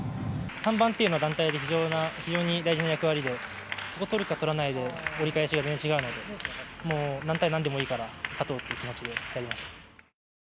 ３番というのは団体で非常に大事な役割で、そこ取るか取らないで、折り返しが全然違うので、もう、何対何でもいいから、勝とうっていう気持ちでやりました。